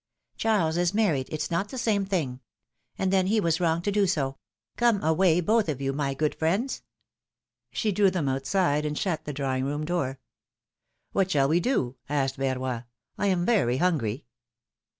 Charles is married ! It is not the same thing. And then he was wrong to do so. Come away, both of you, my good friends." She drew them outside, and shut the drawdng room door." '^What shall we do?" asked Verroy; I am very hungry."